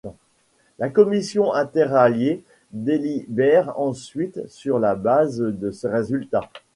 La commission interalliée délibère ensuite sur la base de ces résultats.